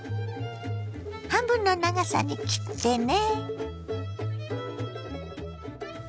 半分の長さに切ってね。